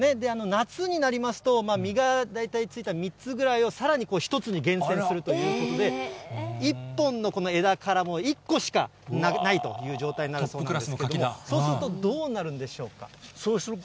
夏になりますと、実が大体ついた３つぐらいをさらに１つに厳選するということで、１本のこの枝から、１個しかないという状態になるということなんですけれども。